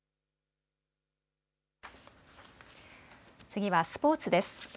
次はスポーツです。